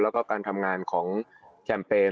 แล้วก็การทำงานของแชมเปญ